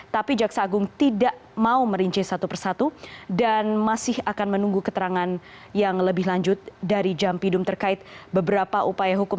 tapi jaksa agung tidak mau merinci satu persatu dan masih akan menunggu keterangan yang lebih lanjut dari jampidum terkait beberapa upaya hukum